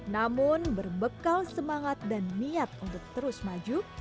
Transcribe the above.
namun berbekal semangat dan niat untuk terus maju